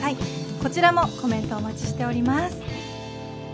こちらもコメントお待ちしております。